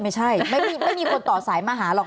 ไม่ใช่ไม่มีคนต่อสายมาหาหรอก